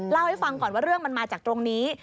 เล่าให้ฟังก่อนว่าเรื่องมันมาจากตรงนี้